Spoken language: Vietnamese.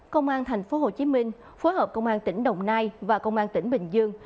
công an tp hcm phối hợp công an tỉnh đồng nai và công an tỉnh bình dương